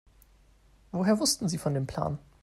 Woher wussten Sie von dem Plan?